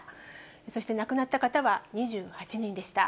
そして亡くなった方は２８人でした。